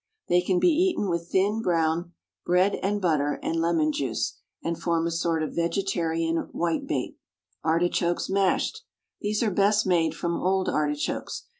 They can be eaten with thin brown bread and butter and lemon juice, and form a sort of vegetarian whitebait. ARTICHOKES, MASHED. These are best made from old artichokes.